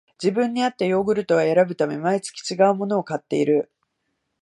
自分にあったヨーグルトを選ぶため、毎月ちがうものを買っている